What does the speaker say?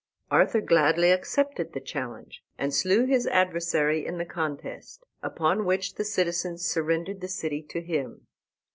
Arthur gladly accepted the challenge, and slew his adversary in the contest, upon which the citizens surrendered the city to him.